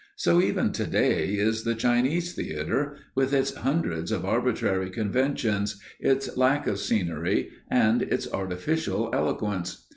So, even today, is the Chinese theatre, with its hundreds of arbitrary conventions, its lack of scenery, and its artificial eloquence.